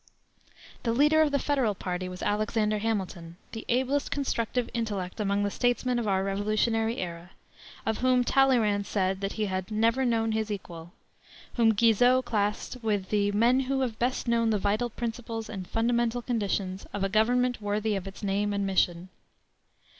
The leader of the Federal party was Alexander Hamilton, the ablest constructive intellect among the statesmen of our revolutionary era, of whom Talleyrand said that he "had never known his equal;" whom Guizot classed with "the men who have best known the vital principles and fundamental conditions of a government worthy of its name and mission."